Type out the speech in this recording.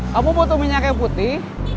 kamu butuh minyak yang putih